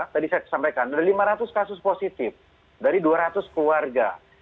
tadi saya sampaikan ada lima ratus kasus positif dari dua ratus keluarga